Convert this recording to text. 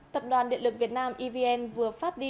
tập đoàn điện lực việt nam evn vừa phát đi